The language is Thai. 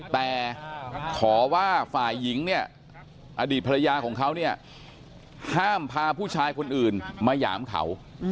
แต่ขอว่าฝ่ายหญิงเนี่ยอดีตภรรยาของเขาเนี่ยห้ามพาผู้ชายคนอื่นมาหยามเขา